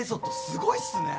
すごいっすね。